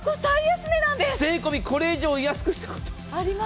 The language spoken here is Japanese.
税込みこれ以上安くしたことない。